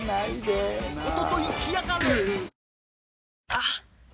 あっ！